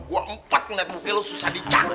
gue empat enggak mungkin lo susah dicat